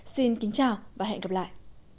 xin kính chào và hẹn gặp lại